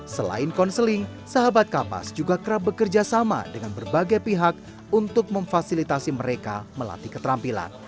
selain konseling sahabat kapas juga kerap bekerja sama dengan berbagai pihak untuk memfasilitasi mereka melatih keterampilan